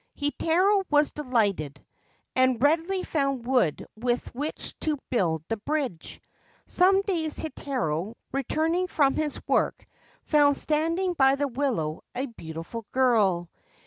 Heitaro was delighted, and readily found wood with which to build the bridge. Some days later Heitaro, returning from his work, found standing by the willow a beautiful girl.